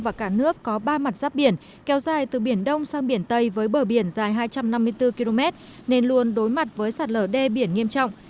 và cả nước có ba mặt giáp biển kéo dài từ biển đông sang biển tây với bờ biển dài hai trăm năm mươi bốn km nên luôn đối mặt với sạt lở đê biển nghiêm trọng